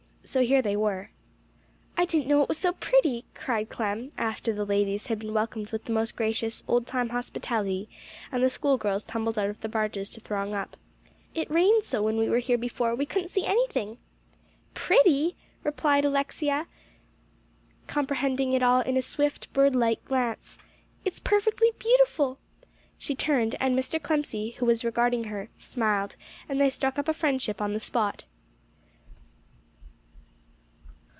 So here they were. "I didn't know it was so pretty," cried Clem, after the ladies had been welcomed with the most gracious, old time hospitality, and the schoolgirls tumbled out of the barges to throng up. "It rained so when we were here before, we couldn't see anything." "Pretty?" repeated Alexia, comprehending it all in swift, bird like glances. "It's perfectly beautiful!" She turned, and Mr. Clemcy, who was regarding her, smiled, and they struck up a friendship on the spot.